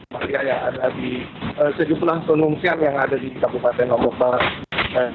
maria yang ada di sejumlah pengungsian yang ada di kabupaten lombok barat